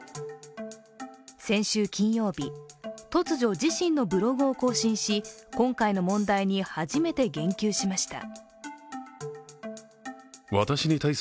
先週金曜日、突如、自身のブログを更新し、今回の問題に初めて言及しました。